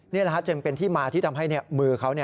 นี่แหละจึงเป็นที่มาที่ทำให้มือเขา